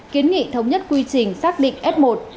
kiến nghị thống nhất quy trình xác định f một